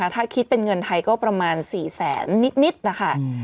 ถ้าคิดเป็นเงินไทยก็ประมาณ๔แสนนิดนะคะ